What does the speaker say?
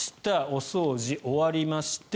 お掃除終わりまして